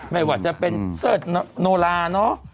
ไม่ว่าจะเป็นเสิร์ชโนลาเนอะ